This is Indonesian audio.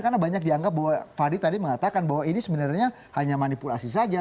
karena banyak dianggap bahwa fahri tadi mengatakan bahwa ini sebenarnya hanya manipulasi saja